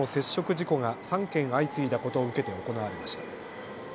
事故が３件相次いだことを受けて行われました。